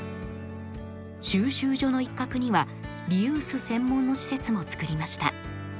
収集所の一角にはリユース専門の施設も作りました。